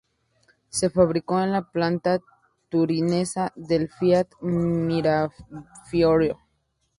Se fabricó en la planta turinesa de Fiat Mirafiori.